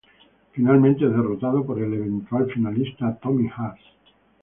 Finalmente, es derrotado por el eventual finalista Tommy Haas.